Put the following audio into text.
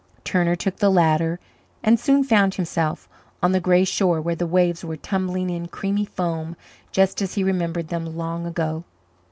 Turner took the latter and soon found himself on the grey shore where the waves were tumbling in creamy foam just as he remembered them long ago.